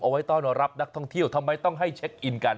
ไว้ต้อนรับนักท่องเที่ยวทำไมต้องให้เช็คอินกัน